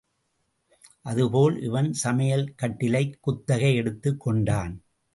அது போல் இவன் சமையல்கட்டிலைக் குத்தகை எடுத்துக் கொண்டான்.